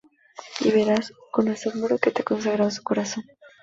Y verás con asombro que te ha consagrado su corazón"".